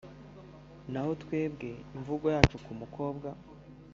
“Naho twebwe imvugo yacu ku mukobwa